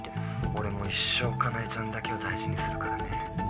俺も一生香奈江ちゃんだけを大事にするからね。